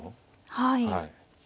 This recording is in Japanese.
はい。